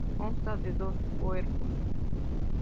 Consta de dos cuerpos.